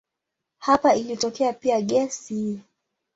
Hapa ilitokea pia gesi.